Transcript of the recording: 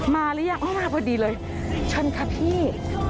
มาหรือยังอ้อมาพอดีเลยชันค่ะพี่